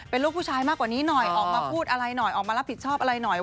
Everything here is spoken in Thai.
เป็นลูกผู้ชายมากกว่านี้หน่อยออกมาพูดอะไรหน่อยออกมารับผิดชอบอะไรหน่อย